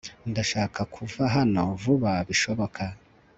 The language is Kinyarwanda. ndashaka kuva hano vuba bishoboka